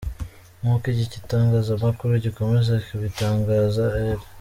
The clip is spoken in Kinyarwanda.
Nk’uko iki gitangazamakuru gikomeza kibitangaza, R.